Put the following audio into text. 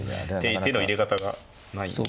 手の入れ方がないんで。